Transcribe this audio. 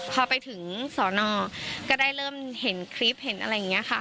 พอไปถึงสอนอก็ได้เริ่มเห็นคลิปเห็นอะไรอย่างนี้ค่ะ